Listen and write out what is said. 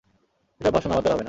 এসব ভাষণ আমার দ্বারা হবে না।